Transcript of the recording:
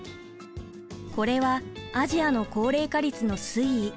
これはアジアの高齢化率の推移。